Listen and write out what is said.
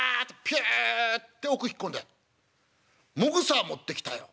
ピュって奥引っ込んでもぐさ持ってきたよ。